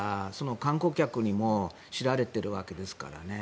観光客にも知られているわけですからね。